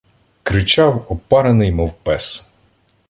Кричав, опарений мов пес.